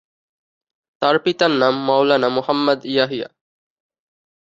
তার পিতার নাম মাওলানা মুহাম্মদ ইয়াহিয়া।